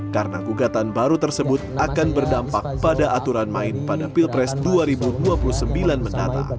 karena gugatan baru tersebut akan berdampak pada aturan main pada pilpres dua ribu dua puluh sembilan menata